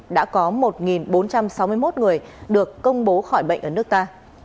đã có một bốn trăm sáu mươi một người được công bố khỏi bệnh ở nước ta